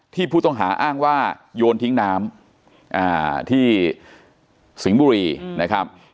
ผู้ต้องหาอ้างว่าโยนทิ้งน้ำที่สิงห์บุรีนะครับ